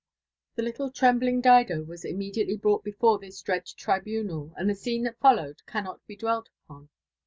The little trembling Dido waa immediately brdtfght before this dread tribunal , and the scene that followed canncit be dwelt upon.